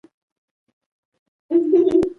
ازادي راډیو د بهرنۍ اړیکې په اړه د پېښو رپوټونه ورکړي.